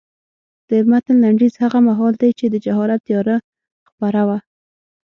د متن لنډیز هغه مهال دی چې د جهالت تیاره خپره وه.